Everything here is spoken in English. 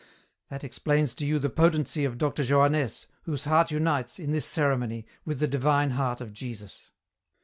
That explains to you the potency of Dr. Johannès, whose heart unites, in this ceremony, with the divine heart of Jesus."